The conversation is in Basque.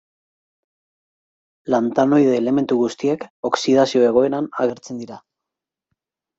Lantanoide elementu guztiek oxidazio egoeran agertzen dira.